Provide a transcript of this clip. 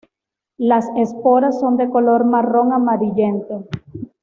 Las esporas son de color marrón amarillento.